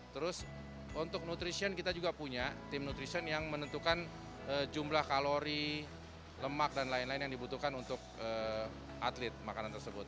terus untuk nutrition kita juga punya tim nutrition yang menentukan jumlah kalori lemak dan lain lain yang dibutuhkan untuk atlet makanan tersebut